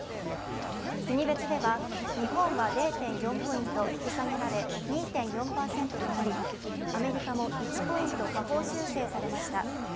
国別では、日本は０．４ポイント引き下げられ、２．４ポイントとなりアメリカも１ポイント下方修正されました。